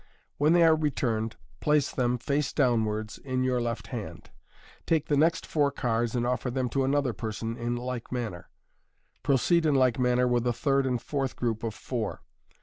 When they are returned, place them* face downwards, in your left 54 MODERN MAGIC. hand. Take the next four cards, and offer them to another person in like manner. Proceed in like manner with a third and fourth group of four.